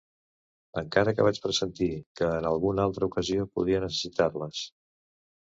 Encara que vaig pressentir que en alguna altra ocasió podia necessitar-les.